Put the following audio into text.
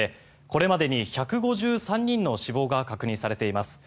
これまでに１５３人の死亡が確認されています。